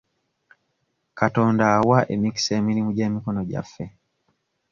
Katonda awa emikisa emirimu gy'emikono gyaffe.